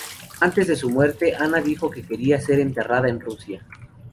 Antes de su muerte, Ana dijo que quería ser enterrada en Rusia.